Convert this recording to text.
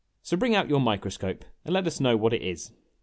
So bring out your microscope and let, us know what it is.